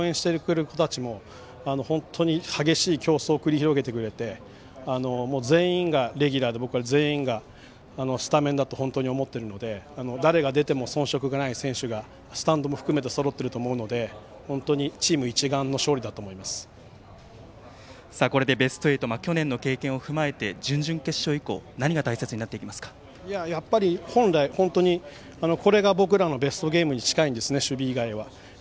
本当に今日スタンドで応援してくれている子たちも本当に激しい競争を繰り広げてくれて全員がレギュラーで、全員がスタメンだと思っているので誰が出ても遜色がない選手がスタンドを含めてそろってると思うので、本当にこれでベスト８去年の経験を踏まえて準々決勝以降本来、本当にこれが僕らのベストゲームに近いんですね、守備以外は。